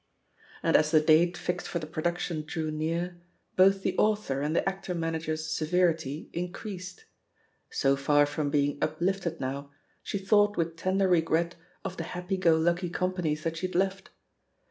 And as the date fixed for the production drew near, both the author and the actor manager's severity increased. So far from being uplifted now, she thought with tender regret of the happy go lucky companies that she had left.